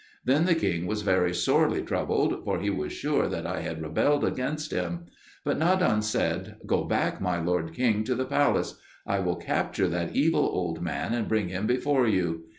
Then the king was very sorely troubled, for he was sure that I had rebelled against him. But Nadan said, "Go back, my lord king, to the palace; I will capture that evil old man and bring him before you."